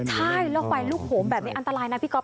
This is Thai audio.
ใช่แล้วไฟลุกโหมแบบนี้อันตรายนะพี่ก๊อ